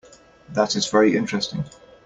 That is very interesting.